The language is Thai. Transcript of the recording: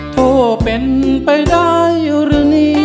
โทรเป็นไปได้รึนี่